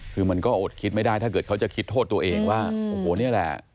คือมันก็อดคิดไม่ได้ถ้าเกิดเขาจะคิดโทษตัวเองว่าโอ้โหนี่แหละ